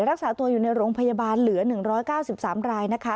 รักษาตัวอยู่ในโรงพยาบาลเหลือ๑๙๓รายนะคะ